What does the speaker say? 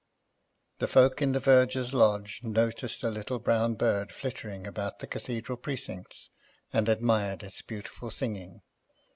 The folk in the verger's lodge noticed a little brown bird flitting about the Cathedral precincts, and admired its beautiful singing.